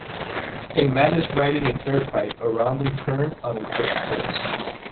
A man is riding a dirt bike around a turn on a dirt course.